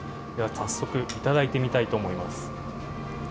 早速頂いてみたいと思います。